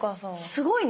すごいね。